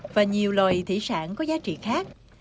và nhiều loài thủy sản có giá trị khác